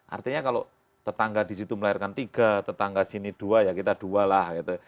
artinya kalau tetangga di situ melahirkan tiga tetangga sini dua ya kita dua lah gitu